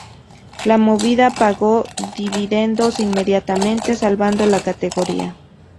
La movida pagó dividendos inmediatamente salvando la categoría.